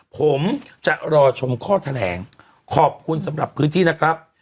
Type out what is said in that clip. ผมจะรอชมข้อแถลงขอบคุณสำหรับพื้นที่นะครับ